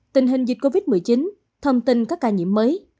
tình hình dịch covid một mươi chín thông tin các ca nhiễm mới